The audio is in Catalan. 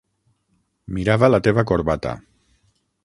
Mirava la teva corbata.